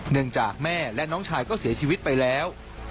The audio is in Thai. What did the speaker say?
เนื่องจากแม่และน้องชายก็เสียชีวิตไปแล้ว